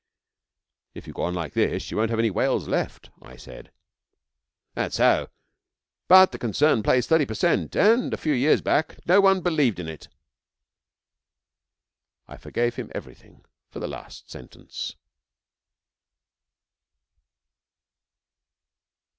'If you go on like this you won't have any whales left,' I said. 'That is so. But the concern pays thirty per cent, and a few years back, no one believed in it.' I forgave him everything for the last sentence.